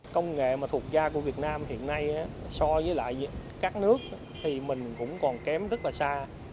công nghệ mà thuộc gia của việt nam hiện nay so với lại các nước thì mình cũng còn kém rất là xa